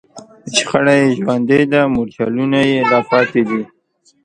شخړه یې ژوندۍ ده، مورچلونه یې لا پاتې دي